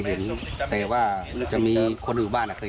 เห็นแล้วก็วิ่งไปดูเลย